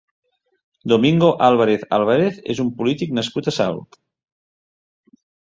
Domingo Álvarez Álvarez és un polític nascut a Salt.